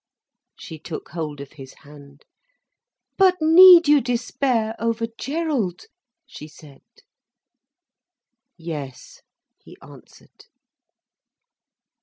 She took hold of his hand. "But need you despair over Gerald?" she said. "Yes," he answered.